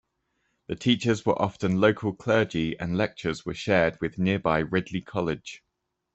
The teachers were often local clergy and lectures were shared with nearby Ridley College.